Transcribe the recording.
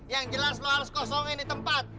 yang jelas lo harus kosongin di tempat